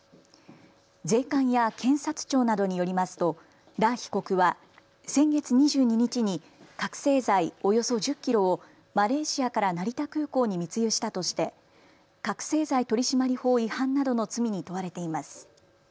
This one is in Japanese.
税関や検察庁などによりますと羅被告は先月２２日に覚醒剤およそ１０キロをマレーシアから成田空港に密輸したとして覚醒剤取締法違反などの罪に問われています。